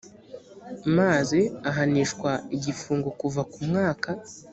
mazi ahanishwa igifungo kuva ku mwaka